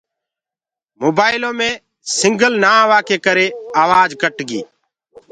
موبآئيلو مي سگنل نآ هوآ ڪي ڪري آوآج ڪٽ گي۔